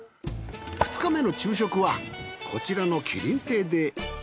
２日目の昼食はこちらのきりん亭で。